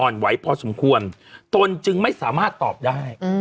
อ่อนไหวพอสมควรตนจึงไม่สามารถตอบได้